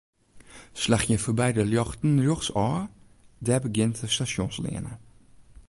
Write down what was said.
Slach hjir foarby de ljochten rjochtsôf, dêr begjint de Stasjonsleane.